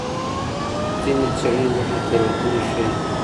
ځینې څېړنې لږې تېروتنې ښيي.